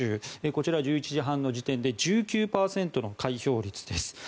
こちら、１１時半の時点で１９％の開票率です。